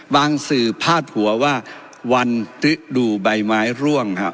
บางสื่อพาดหัวว่าวันดูใบไม้ร่วงฮะ